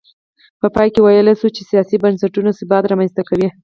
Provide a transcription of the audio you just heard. په پای کې ویلای شو چې سیاسي بنسټونه ثبات رامنځته کوي.